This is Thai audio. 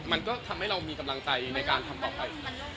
มันก็ทำให้เรามีกำลังใจในการทำต่อไป